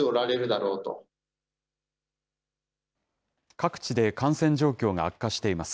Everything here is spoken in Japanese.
各地で感染状況が悪化しています。